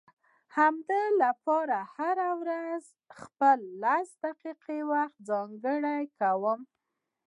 د همدې لپاره هره ورځ خپل لس دقيقې وخت ځانګړی کوم.